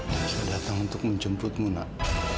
saya datang untuk menjemputmu nak